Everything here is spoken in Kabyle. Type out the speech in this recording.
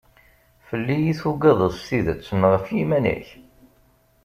Fell-i i tuggadeḍ s tidet neɣ ɣef yiman-ik?